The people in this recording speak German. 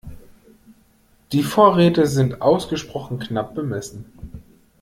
Die Vorräte sind ausgesprochen knapp bemessen.